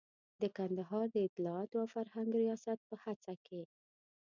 د کندهار د اطلاعاتو او فرهنګ ریاست په هڅه کې.